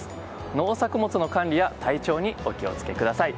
農作物の管理や体調にお気を付けください。